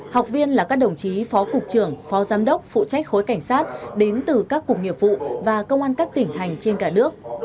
học viên là các đồng chí phó cục trưởng phó giám đốc phụ trách khối cảnh sát đến từ các cục nghiệp vụ và công an các tỉnh thành trên cả nước